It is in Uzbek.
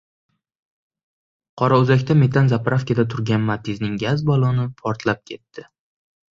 Qorao‘zakda metan «zapravka»da turgan «Matiz»ning gaz balloni portlab ketdi